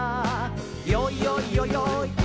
「よいよいよよい